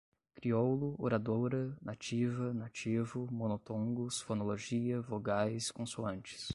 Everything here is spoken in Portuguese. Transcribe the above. Crioulo, oradora, nativa, nativo, monotongos, fonologia, vogais, consoantes